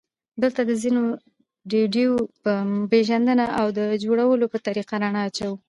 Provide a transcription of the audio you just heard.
دلته د ځینو ډوډیو په پېژندنه او د جوړولو په طریقه رڼا اچوو.